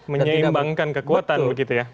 menyeimbangkan kekuatan begitu ya